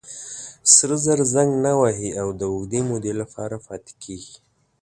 سره زر زنګ نه وهي او د اوږدې مودې لپاره پاتې کېږي.